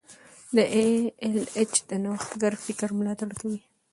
ای ایل ایچ د نوښتګر فکر ملاتړ کوي.